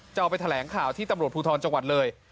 เอาไปแถลงข่าวที่ตำรวจภูทรจังหวัดเลย